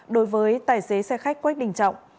đối với tài xế xe khách quách đình trọng